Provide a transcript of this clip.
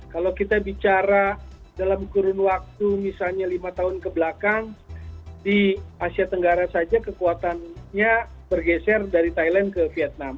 kalau kita bicara dalam kurun waktu misalnya lima tahun kebelakang di asia tenggara saja kekuatannya bergeser dari thailand ke vietnam